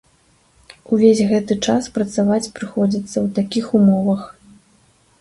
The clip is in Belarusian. І ўвесь гэты час працаваць прыходзіцца ў такіх умовах.